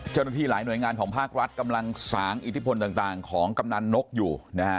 เจ้าหน้าที่หลายหน่วยงานของภาครัฐกำลังสางอิทธิพลต่างของกำนันนกอยู่นะฮะ